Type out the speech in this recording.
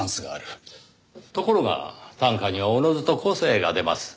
ところが短歌にはおのずと個性が出ます。